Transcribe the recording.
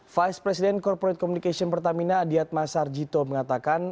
vice president corporate communication pertamina adiat masarjito mengatakan